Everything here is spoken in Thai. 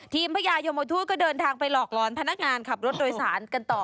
พญายมทูตก็เดินทางไปหลอกหลอนพนักงานขับรถโดยสารกันต่อ